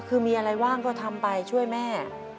คือมีอะไรว่างก็ทำไปช่วยแม่